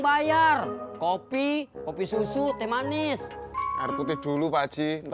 kalau kopi boleh dah